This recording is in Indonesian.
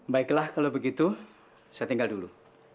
baiklah kalau begitu saya tinggal dulu